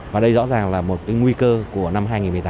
và đây rõ ràng là một nguy cơ của năm hai nghìn một mươi tám